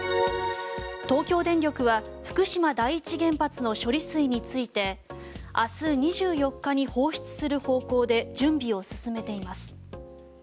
東京電力は福島第一原発の処理水について明日２４日に放出する方向で準備を進めています。